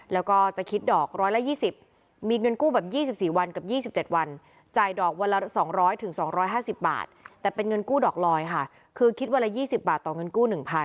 แล้วก็จะคิดดอก๑๒๐มีเงินกู้แบบ๒๔วันกับ๒๗วันจ่ายดอกวันละ๒๐๐๒๕๐บาทแต่เป็นเงินกู้ดอกลอยค่ะคือคิดวันละ๒๐บาทต่อเงินกู้๑๐๐๐